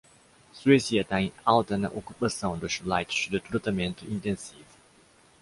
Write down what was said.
Suécia tem alta na ocupação dos leitos de tratamento intensivo